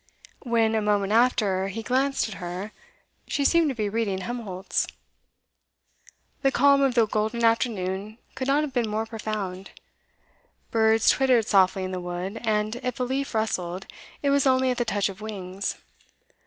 When, a moment after, he glanced at her, she seemed to be reading Helmholtz. The calm of the golden afternoon could not have been more profound. Birds twittered softly in the wood, and if a leaf rustled, it was only at the touch of wings.